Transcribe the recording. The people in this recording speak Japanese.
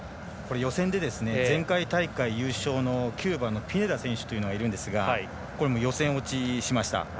予選で前回大会優勝のキューバの選手がいるんですが予選落ちしました。